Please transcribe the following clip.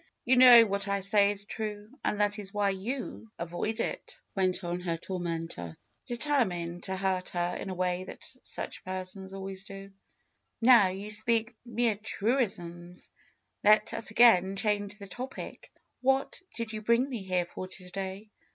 "You know what I say is true, and that is why you FAITH 261 avoid it," went on her tormentor, determined to hurt her in a way that such persons always do. ^^Now you speak mere truisms. Let us again change the topic. What did you bring me here for to day?